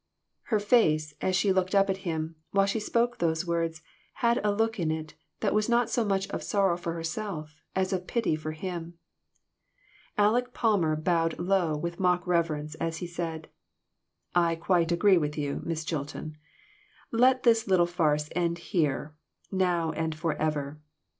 Her face, as she looked up at him, while she spoke those words, had a look in it that was not so much of sorrow for herself, as of pity for him. Aleck Palmer bowed low with mock reverence as he said " I quite agree with you, Miss Chilton. Let this little farce end here, now and forever."